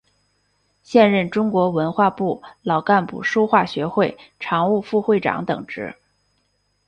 现任中国文化部老干部书画学会常务副会长等职。